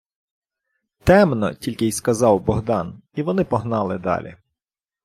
— Темно, — тільки й сказав Богдан, і вони погнали далі.